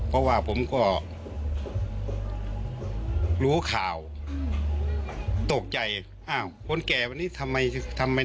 เพราะว่าผมก็รู้ข่าวตกใจอ้าวคนแก่วันนี้ทำไมทำไม